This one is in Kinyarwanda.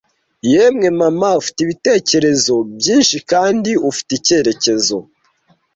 Yemwe mama ufite ibitekerezo byinshi kandi ufite icyerekezo,